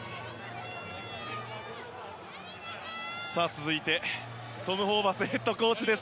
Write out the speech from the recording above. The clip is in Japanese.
続いて、トム・ホーバスヘッドコーチです。